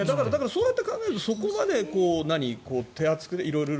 そうやって考えるとそこまで手厚くね